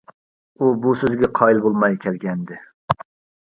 ئۇ، بۇ سۆزگە قايىل بولماي كەلگەنىدى.